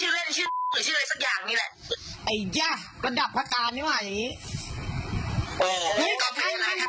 ปี๊กกินเงินไหม